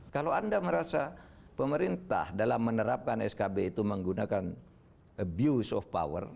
kalau anda merasa pemerintah dalam menerapkan skb itu menggunakan abuse of power